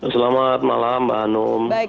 selamat malam mbak anum